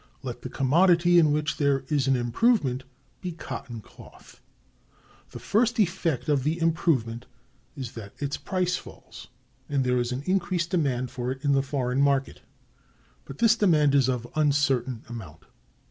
Let the commodity in which there is an improvement be [cotton] cloth. The first effect of the improvement is that its price falls, and there is an increased demand for it in the foreign market. But this demand is of uncertain amount.